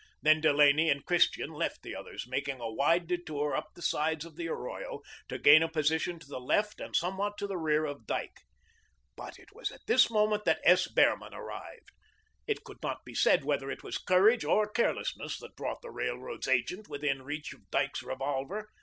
Then Delaney and Christian left the others, making a wide detour up the sides of the arroyo, to gain a position to the left and somewhat to the rear of Dyke. But it was at this moment that S. Behrman arrived. It could not be said whether it was courage or carelessness that brought the Railroad's agent within reach of Dyke's revolver.